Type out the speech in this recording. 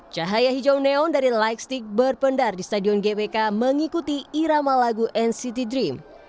cahaya hijau neon dari lightstick berpendar di stadion gbk mengikuti irama lagu nct dream